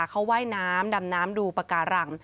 เขาว่ายน้ำดำน้ำดูปากการัง